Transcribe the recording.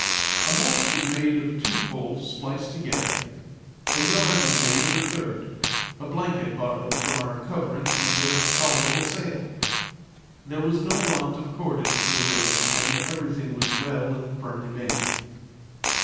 A mast was made of two poles spliced together, a yard was made of a third, a blanket borrowed from our coverings made a tolerable sail. There was no want of cordage for the rigging, and everything was well and firmly made.